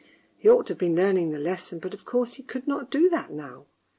He ought to have been learning the lesson, but of course he could not do that now.